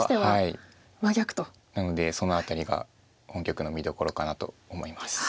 なのでそのあたりが本局の見どころかなと思います。